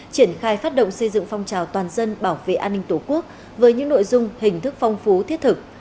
triển khai phát động xây dựng phong trào toàn dân bảo vệ an ninh tổ quốc với những nội dung hình thức phong phú thiết thực